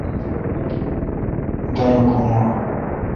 دارو کھون اے°۔